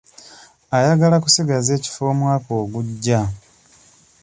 Ayagala kusigaza ekifo omwaka oguja.